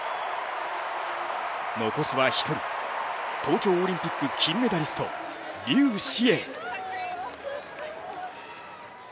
残すは１人、東京オリンピック金メダリスト劉詩穎。